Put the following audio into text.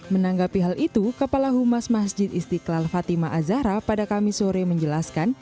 menanggapi hal itu kepala humas masjid istiqlal fatima azahra pada kamis sore menjelaskan